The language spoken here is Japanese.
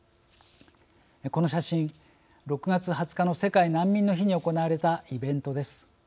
この写真６月２０日の世界難民の日に行われたイベントです。